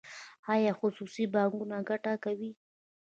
آیا خصوصي بانکونه ګټه کوي؟